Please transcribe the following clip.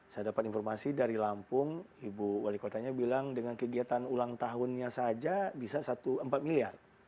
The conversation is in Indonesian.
saya dapat informasi dari lampung ibu wali kotanya bilang dengan kegiatan ulang tahunnya saja bisa empat miliar